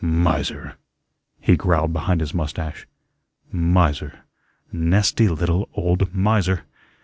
"Miser," he growled behind his mustache. "Miser, nasty little old miser.